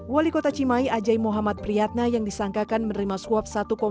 wali kota cimai ajai muhammad priyatna yang disangkakan menerima suap